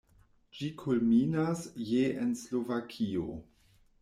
Ĝi kulminas je en Slovakio.